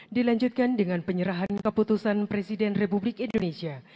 dilanjutkan dengan penyerahan keputusan presiden republik indonesia